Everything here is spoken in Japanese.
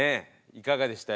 いかがでした？